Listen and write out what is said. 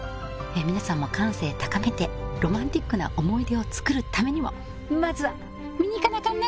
皆さんも感性高めてロマンティックな思い出をつくるためにもまずは見にいかなあかんね！